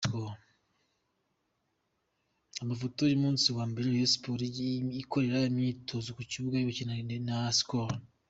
Amafoto y’umunsi wa mbere, Rayon Sports, ikorera imyitozo ku kibuga yubakiwe na Skol.